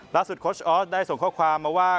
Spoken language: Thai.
ล่าสุดคอร์ชออสได้ส่งข้อความมาว่า